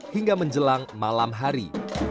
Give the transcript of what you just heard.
hingga menjelang malam hari